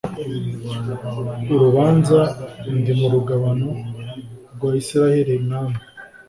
urubanza ndi mu rugabano rwa Isirayeli namwe